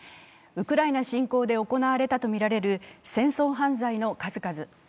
ウクライナ侵攻で行われたとみられる戦争犯罪の数々。